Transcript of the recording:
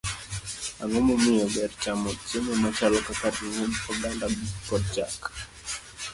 Ang'o momiyo ber chamo chiemo machalo kaka ring'o, oganda, kod chak?